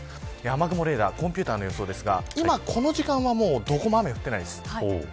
雨雲レーダーコンピューターの予想ですがこの時間はどこも雨が降っていないです。